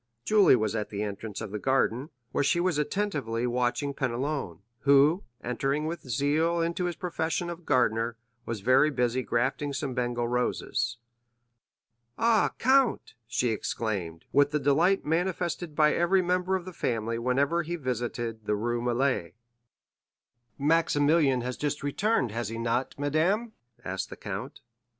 Julie was at the entrance of the garden, where she was attentively watching Penelon, who, entering with zeal into his profession of gardener, was very busy grafting some Bengal roses. "Ah, count," she exclaimed, with the delight manifested by every member of the family whenever he visited the Rue Meslay. "Maximilian has just returned, has he not, madame?" asked the count.